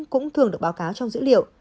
cũng thường được báo cáo trong dữ liệu